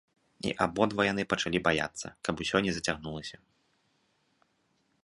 І абодва яны пачалі баяцца, каб усё не зацягнулася.